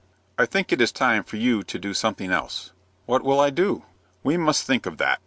"I think it is time for you to do something else." "What will I do?" "We must think of that.